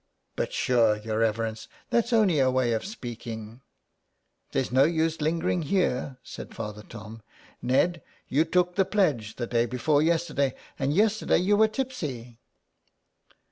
*' But sure, your reverence, that's only a way of speaking." " There's no use lingering here," said Father Tom. *' Ned, you took the pledge the day before yesterday, and yesterday you were tipsy."